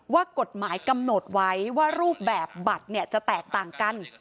ว่ากฎหมายกำหนดไว้ว่ารูปแบบบัตรจะแตกต่างกัน